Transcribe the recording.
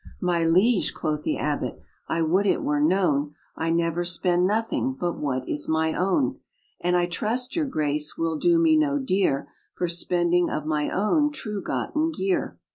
"My liege," quo' the abbot, "I would it were known I never spend nothing, but what is my own; And I trust your grace will do me no deere, For spending of my own true gotton gear."